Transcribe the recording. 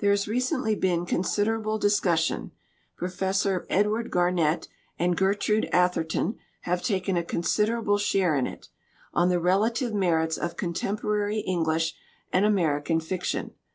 There has recently been considerable discussion 38 PROSPERITY AND ART Professor Edward Garnet and Gertrude Ather ton have taken a considerable share in it on the relative merits of contemporary English and American fiction.